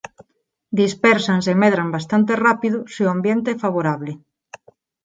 Dispérsanse e medran bastante rápido se o ambiente é favorable.